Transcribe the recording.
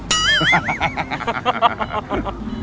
ครับ